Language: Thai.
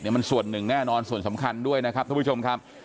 มันส่วนหนึ่งแน่นอนส่วนสำคัญด้วยนะครับทุกผู้ชมครับ